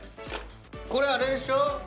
これあれでしょ？